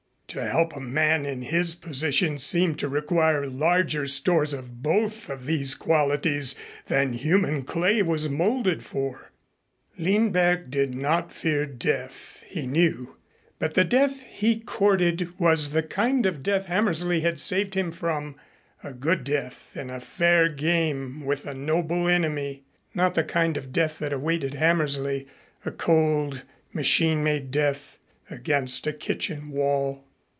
To help a man in his position seemed to require larger stores of both of these qualities than human clay was molded for. Lindberg did not fear death, he knew, but the death he courted was the kind of death Hammersley had saved him from, a good death in a fair game with a noble enemy, not the kind of death that awaited Hammersley, a cold, machine made death against a kitchen wall.